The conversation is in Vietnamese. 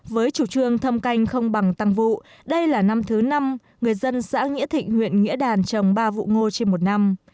với chủ trương thâm canh không bằng tăng vụ đây là năm thứ năm người dân xã nghĩa thịnh huyện nghĩa đàn trồng ba vụ ngô trên một năm